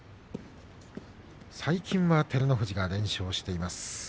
最近は照ノ富士が連勝しています。